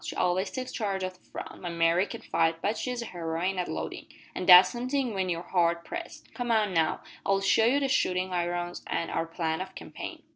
She always takes charge o' the front. My Mary can't fight, but she's a heroine at loadin' an' that's somethin' when you're hard pressed! Come, now, I'll show ye the shootin' irons an' our plan of campaign."